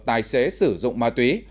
tài xế sử dụng ma túy